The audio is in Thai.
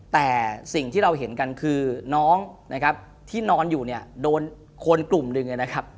แต่สิ่งที่เราเห็นกันคือน้องนะครับที่นอนอยู่เนี่ยโดนคนกลุ่มหนึ่งนะครับ